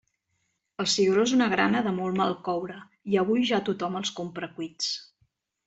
El cigró és una grana de molt mal coure i avui ja tothom els compra cuits.